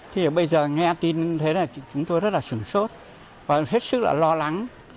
thì bây giờ nghe tin thế là chúng tôi rất là sửng sốt và hết sức là lo lắng